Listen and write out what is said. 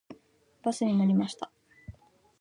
バスに乗りました。